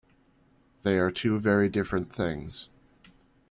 They are two very different things.